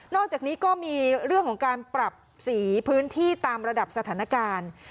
อกจากนี้ก็มีเรื่องของการปรับสีพื้นที่ตามระดับสถานการณ์